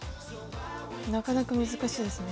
なかなか難しいですね。